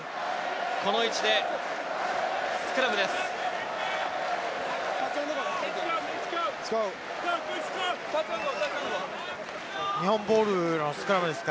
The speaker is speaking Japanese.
この位置でスクラムです。